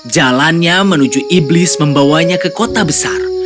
jalannya menuju iblis membawanya ke kota besar